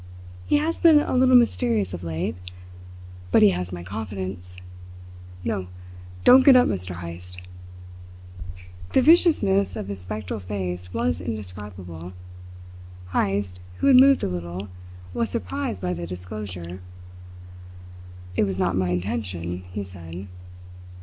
He has been a little mysterious of late; but he has my confidence. No, don't get up, Mr. Heyst!" The viciousness of his spectral face was indescribable. Heyst, who had moved a little, was surprised by the disclosure. "It was not my intention," he said.